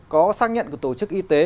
có xác nhận của tổ chức y tế